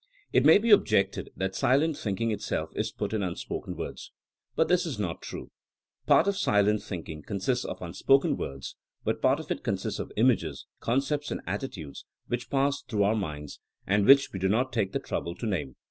It may be objected that silent thinking itself is put in unspoken words. But this is not true. Part of silent thinking consists of unspoken words, but part of it consists of images, con cepts and attitudes which pass through our minds and which we do not take the trouble to name.